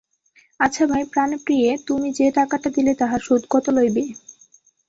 আচ্ছা ভাই প্রাণপ্রিয়ে, তুমি যে টাকাটা দিলে, তাহার সুদ কত লইবে?